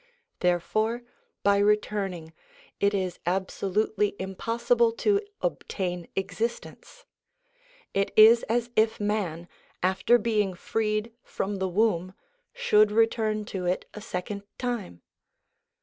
Therefore, by returning, it is absolutely impossible to obtain existence; it is as if man, after being freed from the womb, should return to it a second time.